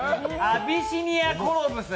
アビシニアコロブス。